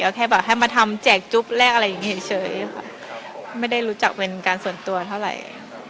แค่แบบให้มาทำแจกจุ๊บแรกอะไรอย่างนี้เฉยค่ะไม่ได้รู้จักเป็นการส่วนตัวเท่าไหร่